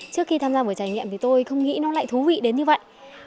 trước khi tham gia buổi trải nghiệm thì tôi không nghĩ nó lại thú vị đến như vậy